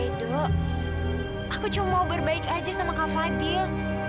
edo aku cuma mau berbaik aja sama kak fadil